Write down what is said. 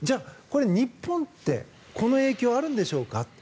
これ日本ってこの影響あるんでしょうか。